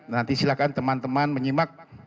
nanti silakan teman teman menyimak